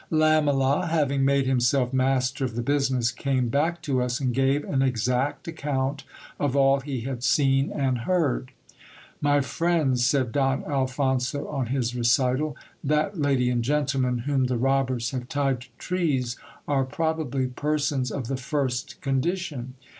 Lamela, having made himself master of the business, came jack to us, and gave an exact account of all he had seen and heard. My friends, said Don Alphonso on his recital, that lady and gentleman whom the robbers have tied to trees, are probably persons of the first condition.